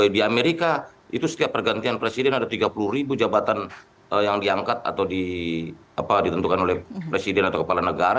di amerika itu setiap pergantian presiden ada tiga puluh ribu jabatan yang diangkat atau ditentukan oleh presiden atau kepala negara